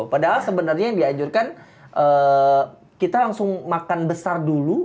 padahal sebenarnya yang dianjurkan kita langsung makan besar dulu